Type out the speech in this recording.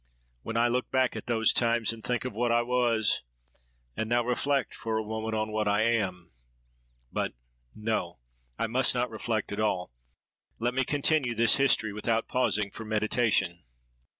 when I look back at those times, and think of what I was—and now reflect for a moment on what I am——But, no; I must not reflect at all. Let me continue this history without pausing for meditation!